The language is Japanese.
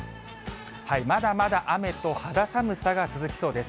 まだまだ雨と肌寒さが続きそうです。